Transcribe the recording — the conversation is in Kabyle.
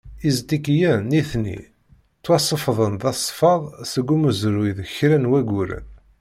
Iztikiyen, nitni, ttwasefḍen d asfaḍ seg umezruy deg kra n wayyuren.